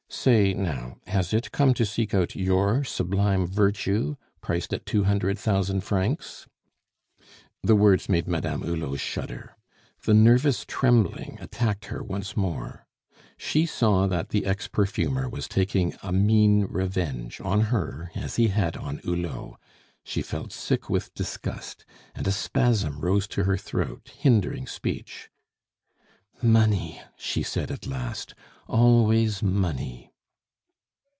Say, now, has it come to seek out your sublime virtue, priced at two hundred thousand francs?" The words made Madame Hulot shudder; the nervous trembling attacked her once more. She saw that the ex perfumer was taking a mean revenge on her as he had on Hulot; she felt sick with disgust, and a spasm rose to her throat, hindering speech. "Money!" she said at last. "Always money!"